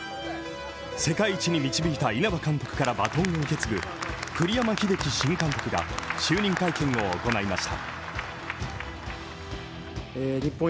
世界一に導いた稲葉監督からバトンを受け継ぐ栗山英樹新監督が就任会見を行いました。